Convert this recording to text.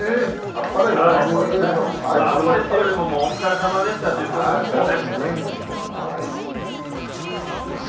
あっぱれというよりも、お疲れさまでしたということですよね。